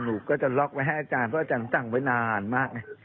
ลูกก็จะล็อกไว้ให้อาจารย์เพราะอาจารย์สั่งไว้นานมากไง